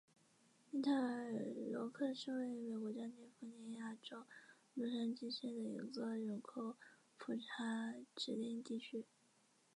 利特尔罗克是位于美国加利福尼亚州洛杉矶县的一个人口普查指定地区。